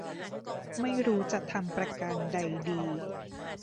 ไม่รู้จะทำประการใดดี